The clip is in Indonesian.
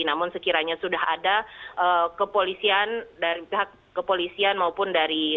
namun sekiranya sudah ada kepolisian dari pihak kepolisian maupun dari